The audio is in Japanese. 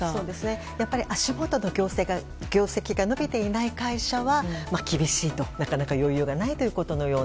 やっぱり足元の業績が伸びていない会社は厳しいと、なかなか余裕がないと。